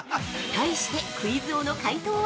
◆対してクイズ王の解答は？